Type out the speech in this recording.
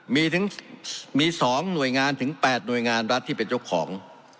มีถึงมี๒หน่วยงานถึง๘หน่วยงานรัฐที่เป็นเจ้าของ